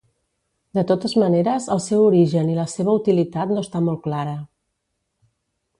De totes maneres el seu origen i la seva utilitat no està molt clara.